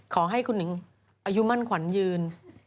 ขอให้คุณหิงอายุมั่นขวัญยืน